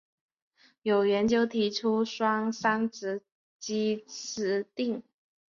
有研究提出双三嗪基吡啶。